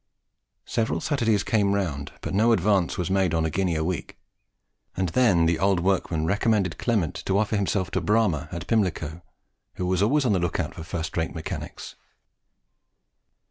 Several Saturdays came round, but no advance was made on the guinea a week; and then the old workman recommended Clement to offer himself to Bramah at Pimlico, who was always on the look out for first rate mechanics.